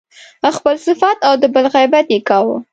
خپل صفت او د بل غیبت يې کاوه.